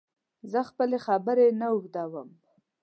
زه خپلي خبري نه اوږدوم